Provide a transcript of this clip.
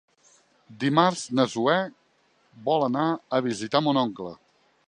Dimarts na Zoè vol anar a visitar mon oncle.